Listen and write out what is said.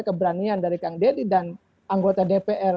keberanian dari kang deddy dan anggota dpr